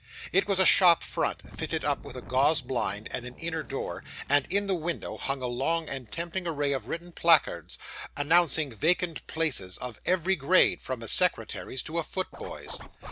It was a shop front, fitted up with a gauze blind and an inner door; and in the window hung a long and tempting array of written placards, announcing vacant places of every grade, from a secretary's to a foot boy's.